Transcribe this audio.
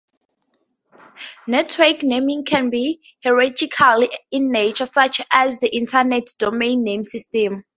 Network naming can be hierarchical in nature, such as the Internet's Domain Name System.